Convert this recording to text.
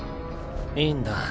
いいんだ。